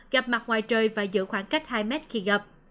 gặp mặt ngoài trời và giữ khoảng cách hai mét khi gặp